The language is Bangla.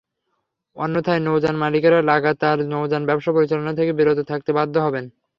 অন্যথায় নৌযান মালিকেরা লাগাতার নৌযান ব্যবসা পরিচালনা থেকে বিরত থাকতে বাধ্য হবেন।